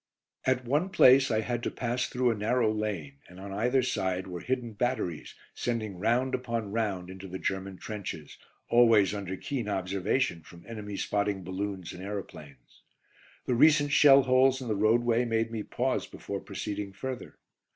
At one place I had to pass through a narrow lane, and on either side were hidden batteries, sending round upon round into the German trenches, always under keen observation from enemy spotting balloons and aeroplanes. The recent shell holes in the roadway made me pause before proceeding further.